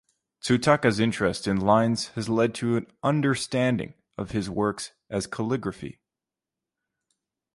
Tsutaka’s interest in lines has led to an understanding of his works as calligraphy.